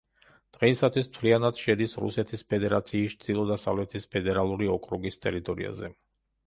დღეისათვის მთლიანად შედის რუსეთის ფედერაციის ჩრდილო-დასავლეთის ფედერალური ოკრუგის ტერიტორიაზე.